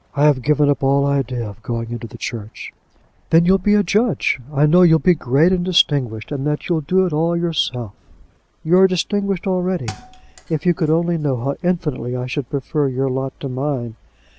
"I have given up all idea of going into the church." "Then you'll be a judge. I know you'll be great and distinguished, and that you'll do it all yourself. You are distinguished already. If you could only know how infinitely I should prefer your lot to mine!